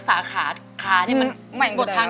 สวัสดีครับ